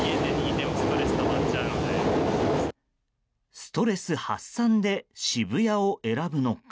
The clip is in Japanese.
ストレス発散で渋谷を選ぶのか。